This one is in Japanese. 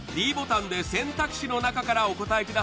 ｄボタンで選択肢のなかからお答え